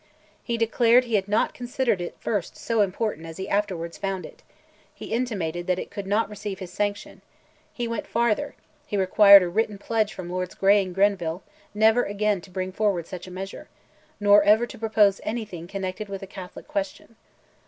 He declared he had not considered it at first so important as he afterwards found it; he intimated that it could not receive his sanction; he went farther—he required a written pledge from Lords Grey and Grenville never again to bring forward such a measure, "nor ever to propose anything connected with the Catholic question."